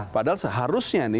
padahal seharusnya nih